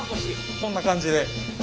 こんな感じで。